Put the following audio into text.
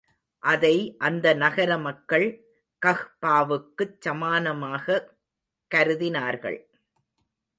அதை அந்த நகர மக்கள் கஃபாவுக்குச் சமானமாகக் கருதினார்கள்.